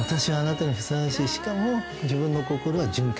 しかも。